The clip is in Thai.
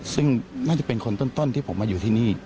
ซึ่งน่าจะเป็นคนต้นที่ผมมาอยู่ที่นี่